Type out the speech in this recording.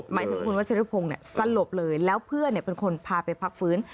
หมายถึงคุณวัชริพงศ์สลบเลยแล้วเพื่อนเป็นคนพาไปพักฟื้น